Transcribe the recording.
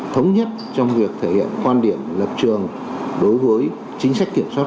thống nhất trong việc thể hiện quan điểm lập trường đối với chính sách kiểm soát